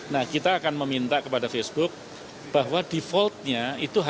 nah kita akan meminta kepada facebook bahwa defaultnya itu hanya